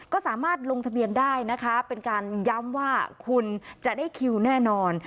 ก็สามารถลงทะเบียนได้นะคะเป็นการย้ำว่าคุณจะได้คิวแน่นอน